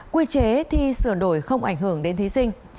quy chế thi sửa đổi không ảnh hưởng đến thí sinh